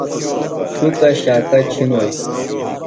شُکہ شاکہ چِھنوئی۔